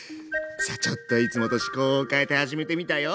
さあちょっといつもと趣向を変えて始めてみたよ。